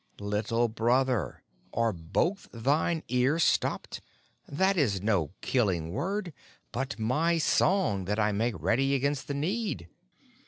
"Little Brother, are both thine ears stopped? That is no killing word, but my song that I make ready against the need."